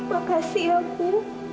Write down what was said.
makasih ya bu